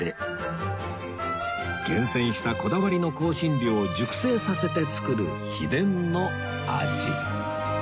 厳選したこだわりの香辛料を熟成させて作る秘伝の味